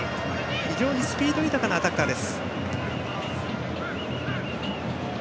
非常にスピード豊かなアタッカーです。